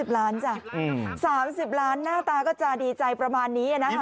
จ้ะ๓๐ล้านหน้าตาก็จะดีใจประมาณนี้นะคะ